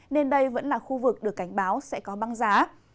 nên đây vẫn là khu vực được cảnh báo sẽ có băng giá